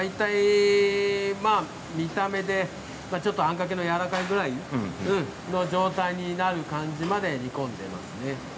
見た目でちょっとあんかけのやわらかいぐらいでこの状態になる感じまで煮込んでいきます。